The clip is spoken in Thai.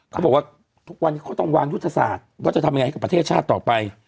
เขาบอกว่าทุกวันนี้เขาต้องวางยุทธศาสตร์ว่าจะทำยังไงให้กับประเทศชาติต่อไป